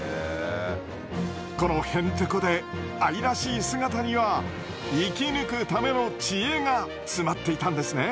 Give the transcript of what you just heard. このへんてこで愛らしい姿には生き抜くための知恵が詰まっていたんですね。